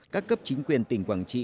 các cấp chính quyền tỉnh quảng trị